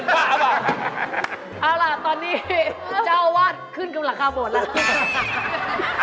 เอาล่ะตอนนี้เจ้าว่าขึ้นกับราคาหมดละ